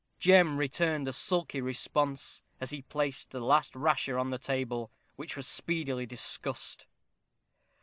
Jem returned a sulky response, as he placed the last rasher on the table, which was speedily discussed.